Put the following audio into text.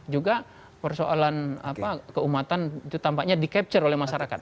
juga persoalan keumatan itu tampaknya di capture oleh masyarakat